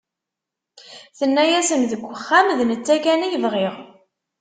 Tenna-yasen deg uxxam d netta kan ay bɣiɣ.